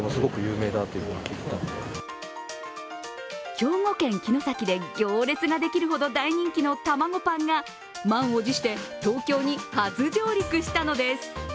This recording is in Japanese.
兵庫県城崎で行列ができるほど大人気のたまごパンが満を持して東京に初上陸したのです。